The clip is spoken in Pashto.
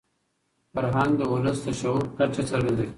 فرهنګ د ولس د شعور کچه څرګندوي.